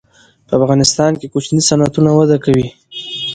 په افغانستان کې کوچني صنعتونه وده کوي.